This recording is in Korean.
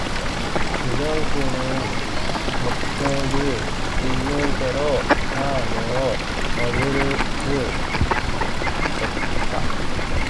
주정꾼은 목청을 있는 대로 다 내어 호통을 쳤다.